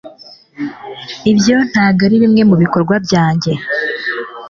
ibyo ntabwo arimwe mubikorwa byanjye